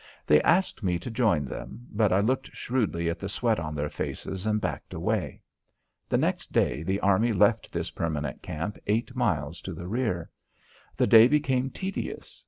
They asked me to join them, but I looked shrewdly at the sweat on their faces and backed away. The next day the army left this permanent camp eight miles to the rear. The day became tedious.